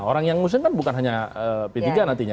orang yang ngusung kan bukan hanya p tiga nantinya